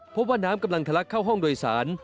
พบว่าน้ำกำลังทะลักเข้าห้องโดยสาร